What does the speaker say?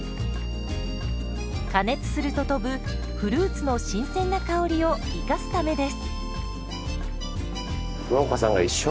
加熱すると飛ぶフルーツの新鮮な香りを生かすためです。